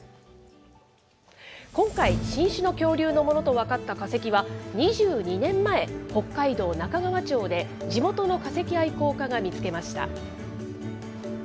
今回、新種の恐竜のものと分かった化石は、２２年前、北海道中川町で地元の化石愛好家が見つけました。